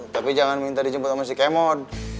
tapi jangan minta dijemput sama si kemon